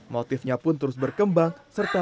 motifnya pun terus berkembang serta